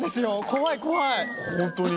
怖い怖い。